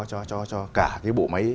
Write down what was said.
cho cả cái bộ máy